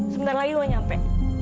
sebentar lagi gue nyampe